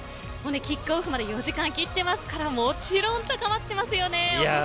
キックオフまで４時間切っていますからもちろん、高まっていますよね